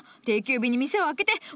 定休日に店を開けて。